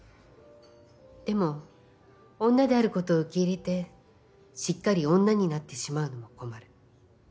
でも女であることを受け入れてしっかり女になってしまうのも困る。